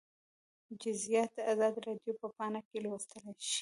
جزییات د ازادي راډیو په پاڼه کې لوستلی شئ